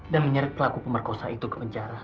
dan menyeret pelaku pemerkosa itu ke penjara